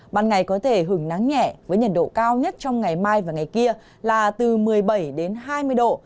ban ngày có thể hứng nắng nhẹ với nhiệt độ cao nhất trong ngày mai và ngày kia là từ một mươi bảy đến hai mươi độ